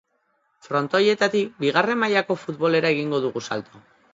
Frontoietatik bigarren mailako futbolera egingo dugu salto.